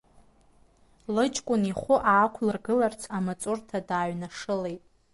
Лыҷкәын ихәы аақәлыргыларц, амаҵурҭа дааҩнашылеит.